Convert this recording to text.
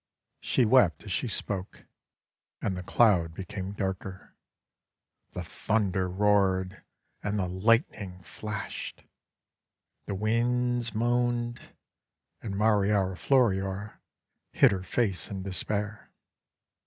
She wept as she spoke. And the Cloud became darker. The Thunder roared, and the Light ning flashed. The Winds moaned. And Mariora Floriora hid her face in despair.